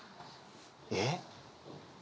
えっ？